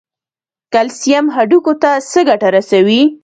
کلسیم هډوکو ته څه ګټه رسوي؟